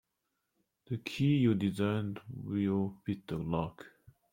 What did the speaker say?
The key you designed will fit the lock.